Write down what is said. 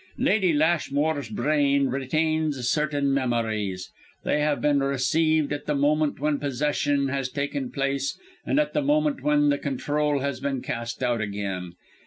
"Lady Lashmore's brain retains certain memories. They have been received at the moment when possession has taken place and at the moment when the control has been cast out again.